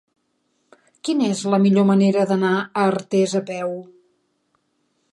Quina és la millor manera d'anar a Artés a peu?